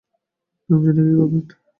নাম জেনে কী করবেন?